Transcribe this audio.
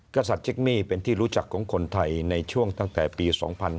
กษัตริย์จิกมี่เป็นที่รู้จักของคนไทยในช่วงตั้งแต่ปี๒๕๕๙